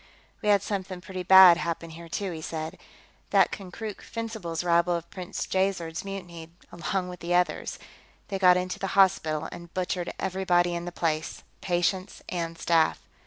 "We had something pretty bad happen here, too," he said. "That Konkrook Fencibles rabble of Prince Jaizerd's mutinied, along with the others; they got into the hospital and butchered everybody in the place, patients and staff.